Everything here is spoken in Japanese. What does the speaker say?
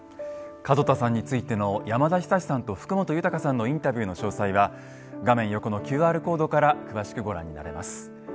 門田さんについての山田久志さんと福本豊さんのインタビューの詳細は画面横のＱＲコードから詳しくご覧になれます。